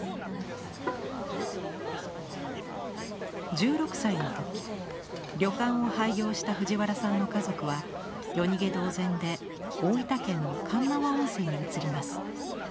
１６歳の時旅館を廃業した藤原さんの家族は夜逃げ同然で大分県の鉄輪温泉に移ります。